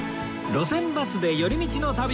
『路線バスで寄り道の旅』